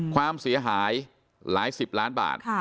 ความเสียหายหลายสิบล้านบาท